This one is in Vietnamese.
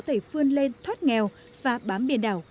ngư dân có thể phương lên thoát nghèo và bám biển đảo